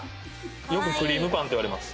よく「クリームパン」って言われます。